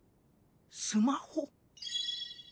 スマホ。